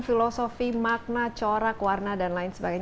filosofi makna corak warna dan lain sebagainya